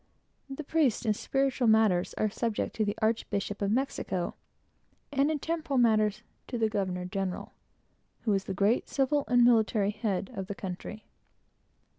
The priests in spiritual matters are subject to the Archbishop of Mexico, and in temporal matters to the governor general, who is the great civil and military head of the country.